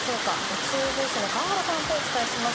気象予報士の川原さんとお伝えします。